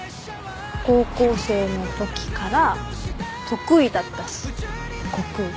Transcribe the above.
高校生のときから得意だったし国語。